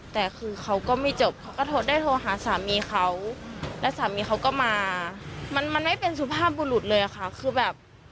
แล้วสามีเขาแล้วสามีเขาก็มามันไม่เป็นสภาพบุรุษเลยค่ะ